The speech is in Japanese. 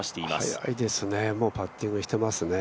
早いですね、もうパッティングしてますね。